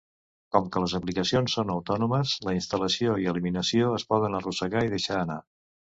Com que les aplicacions són autònomes, la instal·lació i l'eliminació es poden arrossegar i deixar anar.